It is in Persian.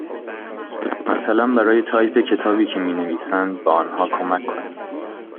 مثلا برای تایپ کتابی که می نویسند به آنها کمک کنید.